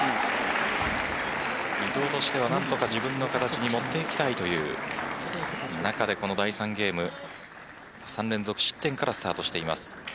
伊藤としては何とか自分の形に持っていきたいという中でこの第３ゲーム３連続失点からスタートしています。